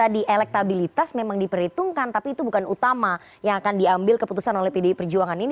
jadi elektabilitas memang diperhitungkan tapi itu bukan utama yang akan diambil keputusan oleh pdi perjuangan ini